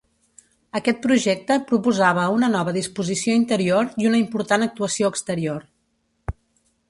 Aquest projecte proposava una nova disposició interior i una important actuació exterior.